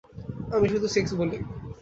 আমি শুধু সেক্স বলি।